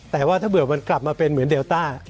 แต่ว่าถ้าเผื่อมันกลับมาเป็นเหมือนเดลต้า